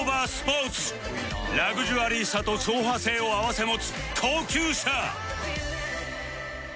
ラグジュアリーさと走破性を併せ持つ高級車